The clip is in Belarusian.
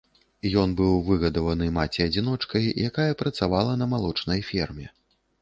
Ён быў выгадаваны маці-адзіночкай, якая працавала на малочнай ферме.